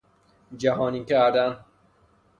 جهانی کردن